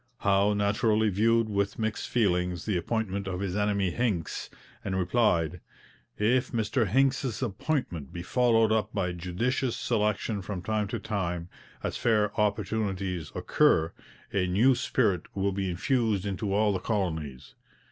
Howe naturally viewed with mixed feelings the appointment of his enemy Hincks, and replied: 'If Mr Hincks's appointment be followed up by judicious selection from time to time, as fair opportunities occur, a new spirit will be infused into all the colonies.